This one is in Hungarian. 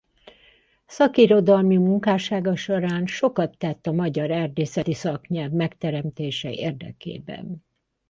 Szakirodalmi munkássága során sokat tett a magyar erdészeti szaknyelv megteremtése érdekében.